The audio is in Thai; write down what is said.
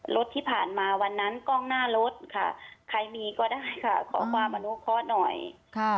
รถที่ผ่านมาวันนั้นกล้องหน้ารถค่ะใครมีก็ได้ค่ะขอความอนุเคราะห์หน่อยค่ะ